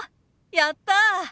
やった。